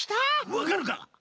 わかるか！？